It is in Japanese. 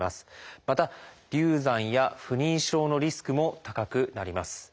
また流産や不妊症のリスクも高くなります。